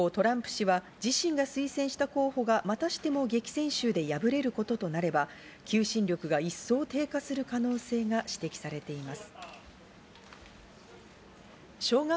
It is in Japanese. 一方、トランプ氏は自身が推薦した候補がまたしても激戦州で敗れることとなれば、求心力が一層低下する可能性が指摘されています。